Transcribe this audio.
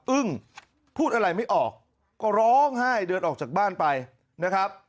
อึ้งพูดอะไรไม่ออกก็ร้องไห้เดินออกจากบ้านไปนะครับ